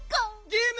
ゲーム！